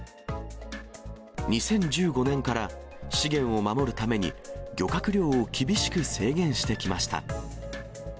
２０１５年から資源を守るために、漁獲量を厳しく制限してきました。